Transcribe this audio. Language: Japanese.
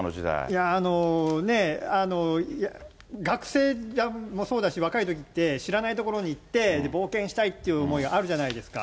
いやー、学生もそうだし、若いときって、知らない所に行って、冒険したいっていう思いがあるじゃないですか。